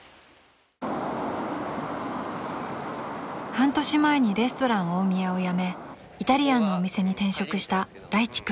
［半年前にレストラン大宮を辞めイタリアンのお店に転職したらいち君］